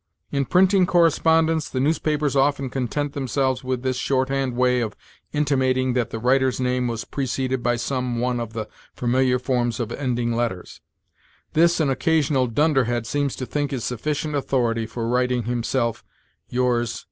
In printing correspondence, the newspapers often content themselves with this short hand way of intimating that the writer's name was preceded by some one of the familiar forms of ending letters; this an occasional dunderhead seems to think is sufficient authority for writing himself, _Yours, &c.